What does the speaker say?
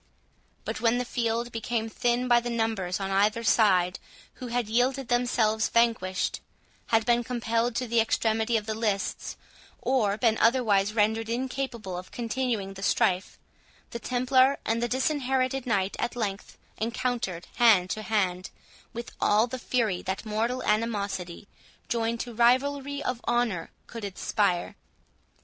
But when the field became thin by the numbers on either side who had yielded themselves vanquished, had been compelled to the extremity of the lists, or been otherwise rendered incapable of continuing the strife, the Templar and the Disinherited Knight at length encountered hand to hand, with all the fury that mortal animosity, joined to rivalry of honour, could inspire.